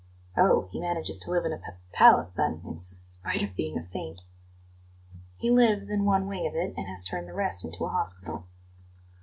"Oh, he manages to live in a p palace, then, in s spite of being a saint?" "He lives in one wing of it, and has turned the rest into a hospital.